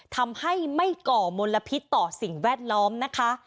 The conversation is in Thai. ทำให้ไม่ก่อมลพิษต่อสิ่งแวดล้อมนะคะ